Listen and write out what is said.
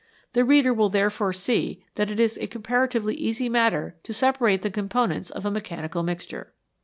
The reader will therefore see that it is a comparatively easy matter to separate the components of a mechanical mixture.